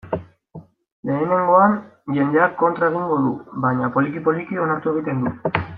Lehenengoan, jendeak kontra egingo du, baina, poliki-poliki, onartu egiten du.